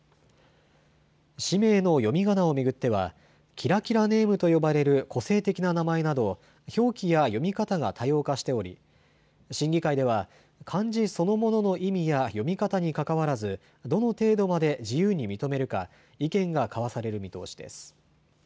氏名の読みがなを巡ってはキラキラネームと呼ばれる個性的な名前など表記や読み方が多様化しており審議会では漢字そのものの意味や読み方にかかわらず、どの程度まで自由に認めるか意見が交わされる見通しです。